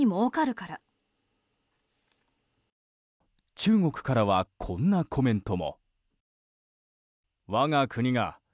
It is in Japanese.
中国からはこんなコメントも。